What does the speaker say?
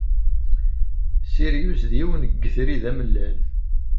Sirius d yiwen n yetri d amellal.